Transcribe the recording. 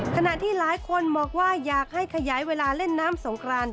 ขณะที่หลายคนบอกว่าอยากให้ขยายเวลาเล่นน้ำสงคราน